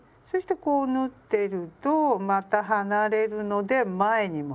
そしてまたこう縫ってゆくと離れるので前に。